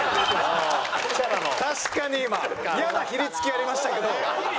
確かに今イヤなひりつきありましたけど。